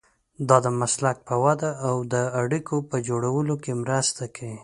دا د مسلک په وده او د اړیکو په جوړولو کې مرسته کوي.